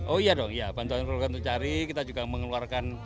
oh iya dong iya bantuan keluarga untuk mencari kita juga mengeluarkan